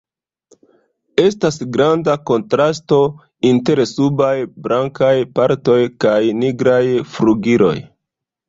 Estas granda kontrasto inter subaj blankaj partoj kaj nigraj flugiloj.